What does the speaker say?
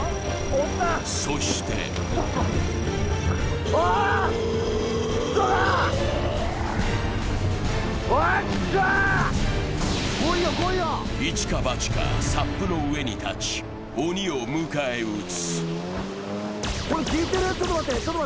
そしてイチかバチか、サップの上に立ち、鬼を迎え撃つ。